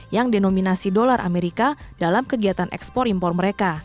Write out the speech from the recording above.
yang denominasi dolar amerika dalam kegiatan ekspor impor mereka